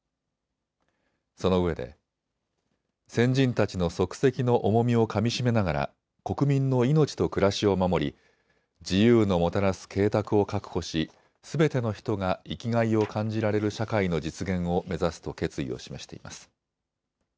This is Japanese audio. そのうえで先人たちの足跡の重みをかみしめながら国民の命と暮らしを守り自由のもたらす恵沢を確保しすべての人が生きがいを感じられる社会の実現を目指すと決意を示しています。